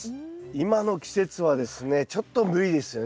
今の季節はですねちょっと無理ですよね。